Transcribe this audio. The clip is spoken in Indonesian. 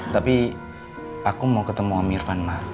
tapi aku mau ketemu om irfan ma